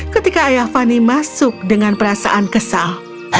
ketika ayah fani masuk dengan perasaan kesal